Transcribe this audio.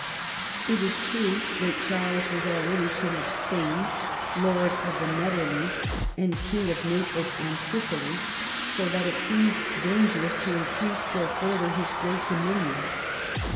It is true that Charles was already King of Spain, Lord of the Netherlands, and King of Naples and Sicily, so that it seemed dangerous to increase still further his great dominions.